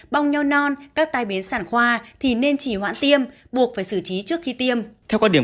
bong nhau non các tai biến sản khoa thì nên chỉ hoãn tiêm buộc phải xử trí trước khi tiêm